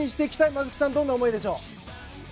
松木さん、どんな思いでしょう。